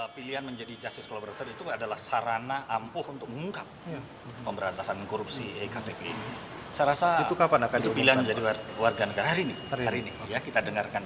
kita dengarkan bersama hari ini ya